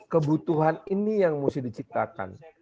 kebutuhan ini yang mesti diciptakan